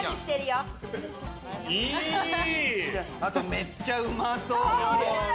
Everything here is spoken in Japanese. めっちゃうまそう！